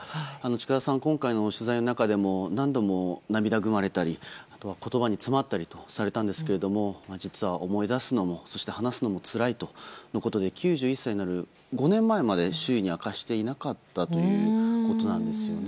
近田さんは今回の取材の中でも何度も涙ぐまれたり言葉に詰まったりもされていたんですがそして話すのもつらいということで９１歳になる５年前まで周囲に明かしていなかったということなんです。